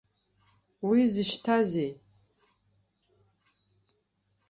Уи зышьҭазеи?